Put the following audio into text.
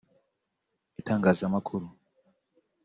itangazamakuru